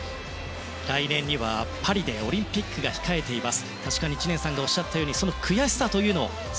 来年にはパリでオリンピックが控えています。